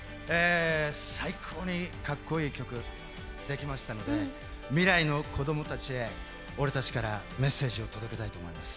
最高にかっこいい曲できましたので未来の子供たちへ俺たちからメッセージを届けたいと思います。